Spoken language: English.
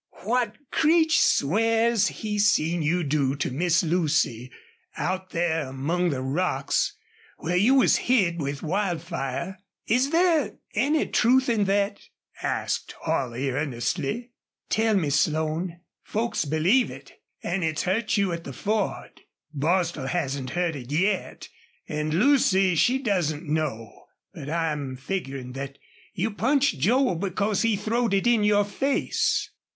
"What Creech swears he seen you do to Miss Lucy, out there among the rocks, where you was hid with Wildfire is there any truth in thet?" asked Holley, earnestly. "Tell me, Slone. Folks believe it. An' it's hurt you at the Ford. Bostil hasn't heard it yet, an' Lucy she doesn't know. But I'm figgerin' thet you punched Joel because he throwed it in your face."